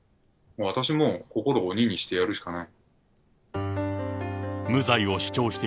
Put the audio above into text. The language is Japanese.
私も心を鬼にしてやるしかない。